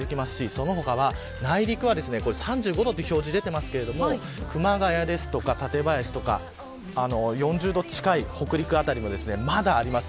その他は、内陸は３５度という表示が出ていますが熊谷ですとか館林ですとか４０度近い、北陸辺りもまだあります。